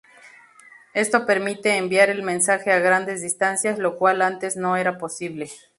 Esto permite enviar el mensaje a grandes distancias, lo cual antes no era posible.